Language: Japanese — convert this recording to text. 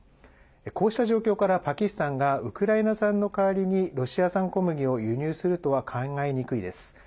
こうした状況からパキスタンがウクライナ産の代わりにロシア産小麦を輸入するとは考えにくいです。